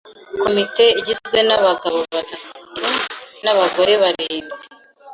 Komite igizwe n'abagabo batatu n'abagore barindwi.